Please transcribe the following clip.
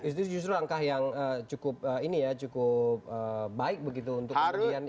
itu justru angka yang cukup baik begitu untuk kemudian ini